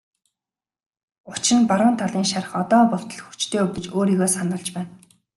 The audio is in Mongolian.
Учир нь баруун талын шарх одоо болтол хүчтэй өвдөж өөрийгөө сануулж байна.